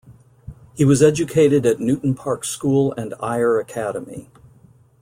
He was educated at Newton Park School and Ayr Academy.